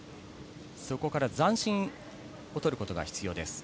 そこから残心をとることが必要です。